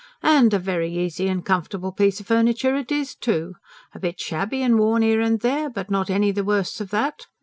"And a very easy and comfortable piece o' furniture it is, too. A bit shabby and worn 'ere and there, but not any the worse of that.